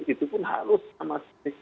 itu pun harus sama